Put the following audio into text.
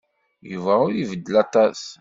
Yuba ur ibeddel aṭas.